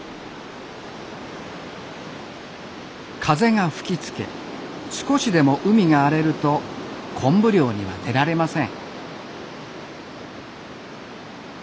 風が吹きつけ少しでも海が荒れると昆布漁には出られません。